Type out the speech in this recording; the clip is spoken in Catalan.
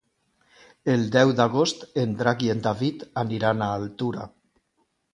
El deu d'agost en Drac i en David aniran a Altura.